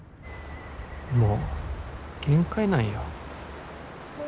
もう限界なんよ。